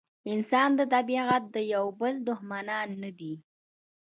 انسان او طبیعت د یو بل دښمنان نه دي.